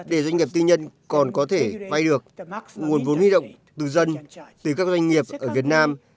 để doanh nghiệp tư nhân còn có thể vay được nguồn vốn huy động từ dân từ các doanh nghiệp ở việt nam